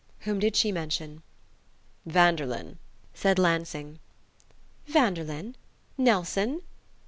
"Whom did she mention?" "Vanderlyn," said Lansing. "Vanderlyn? Nelson?"